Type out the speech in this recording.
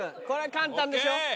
これ簡単でしょ？